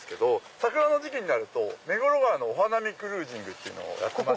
桜の時期になると目黒川のお花見クルージングをやってまして。